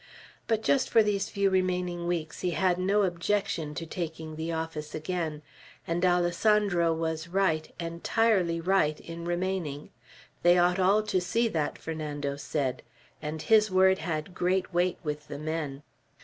But just for these few remaining weeks he had no objection to taking the office again. And Alessandro was right, entirely right, in remaining; they ought all to see that, Fernando said; and his word had great weight with the men.